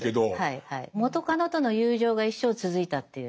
元カノとの友情が一生続いたっていう。